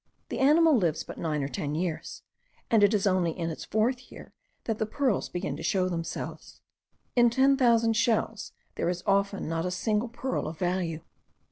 The animal lives but nine or ten years; and it is only in its fourth year that the pearls begin to show themselves. In ten thousand shells there is often not a single pearl of value.